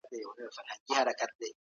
د يرموک پېښه د تاريخ وياړ دی.